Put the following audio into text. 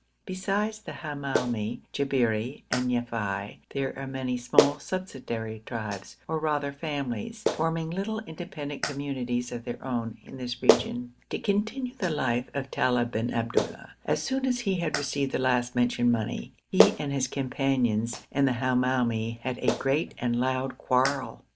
Besides the Hamoumi, Jabberi, and Yafei, there are many small subsidiary tribes, or rather families, forming little independent communities of their own, in this region. To continue the life of Talib bin Abdullah. As soon as he had received the last mentioned money, he and his companions and the Hamoumi had a great and loud quarrel.